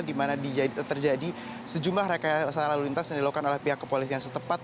di mana terjadi sejumlah rekayasa lalu lintas yang dilakukan oleh pihak kepolisian setempat